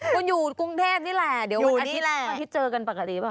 คุณอยู่กรุงเทพนี่แหละเดี๋ยวอาทิตย์นี้แหละอาทิตย์เจอกันปกติป่ะ